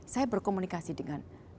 saya berkomunikasi dengan mereka